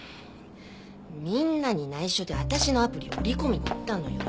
みんなに内緒で私のアプリを売り込みに行ったのよ。